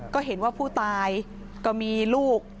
ก็เห็นว่าผู้ตายก็มีลูก